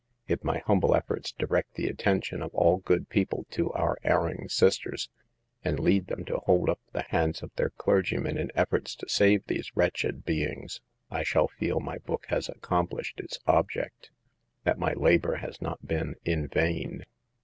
If my humble efforts direct the attention of all good people to our erring sisters, and lead them to hold up the hands of their clergymen in efforts to save these wretched beings, I shall feel my book has accomplished its object — that my labor has not been in vain.